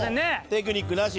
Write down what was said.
テクニックなし。